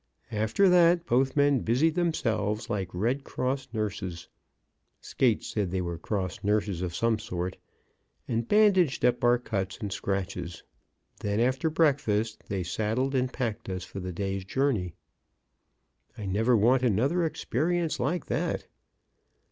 After that, both men busied themselves like Red Cross Nurses. (Skates said they were cross nurses of some sort), and bandaged up our cuts and scratches, then, after breakfast, they saddled and packed us for the day's journey. I never want another experience like that.